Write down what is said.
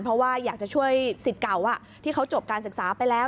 เพราะว่าอยากจะช่วยสิทธิ์เก่าที่เขาจบการศึกษาไปแล้ว